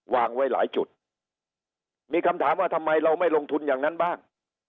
วางไว้หลายจุดมีคำถามว่าทำไมเราไม่ลงทุนอย่างนั้นบ้าง